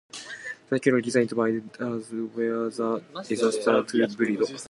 The Squirrel, designed by Darcy Whyte is the easiest to build.